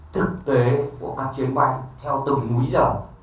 thực tế của các chuyến bay theo từng quý giờ